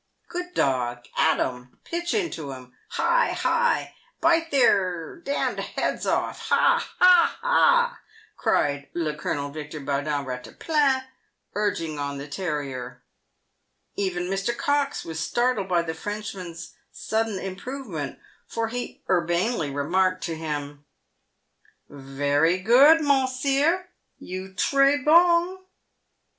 " Good dog ! at 'em ! pitch into 'em ! hi, hi ! bite their d — d heads off! hah! hah! hah!" cried le Colonel Victor Baudin Eatta plan, urging on the terrier. Even Mr. Cox was startled by the Frenchman's sudden improve ment, for he urbanely remarked to him :" Very good, mounseer — you tree hong.